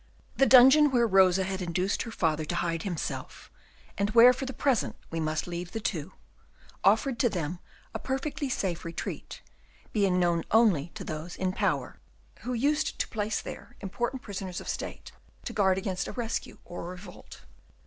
The dungeon where Rosa had induced her father to hide himself, and where for the present we must leave the two, offered to them a perfectly safe retreat, being known only to those in power, who used to place there important prisoners of state, to guard against a rescue or a revolt.